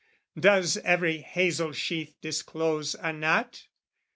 Does every hazel sheath disclose a nut?